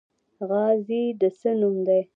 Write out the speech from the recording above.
غازی د څه نوم دی؟